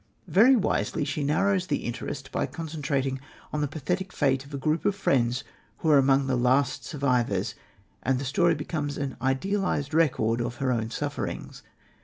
Very wisely, she narrows the interest by concentrating on the pathetic fate of a group of friends who are among the last survivors, and the story becomes an idealised record of her own sufferings.